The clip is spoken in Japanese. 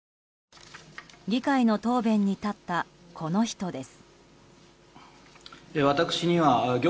議会の答弁に立ったこの人です。